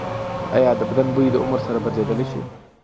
ایا د بدن بوی د عمر سره بدلیدلی شي؟